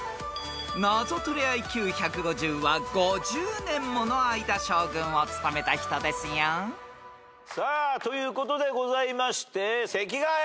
［ナゾトレＩＱ１５０は５０年もの間将軍を務めた人ですよ］ということでございまして席替え！